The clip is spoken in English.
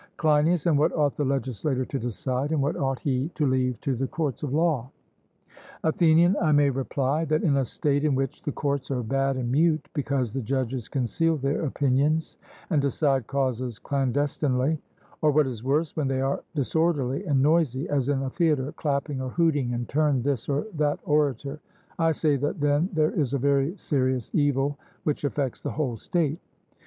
CLEINIAS: And what ought the legislator to decide, and what ought he to leave to the courts of law? ATHENIAN: I may reply, that in a state in which the courts are bad and mute, because the judges conceal their opinions and decide causes clandestinely; or what is worse, when they are disorderly and noisy, as in a theatre, clapping or hooting in turn this or that orator I say that then there is a very serious evil, which affects the whole state.